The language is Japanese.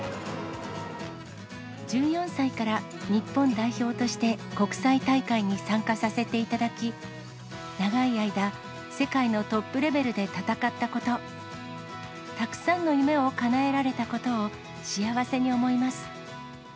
１４歳から日本代表として国際大会に参加させていただき、長い間、世界のトップレベルで戦ったこと、たくさんの夢をかなえられたことを幸せに思います。